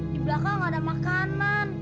di belakang ada makanan